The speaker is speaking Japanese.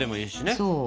そう。